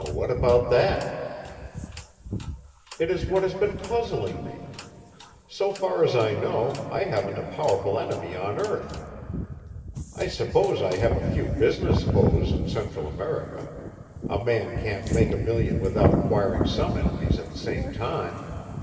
"What about that?" "It is what has been puzzling me. So far as I know, I haven't a powerful enemy on earth. I suppose I have a few business foes in Central America; a man can't make a million without acquiring some enemies at the same time.